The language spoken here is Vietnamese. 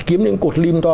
kiếm những cột lim to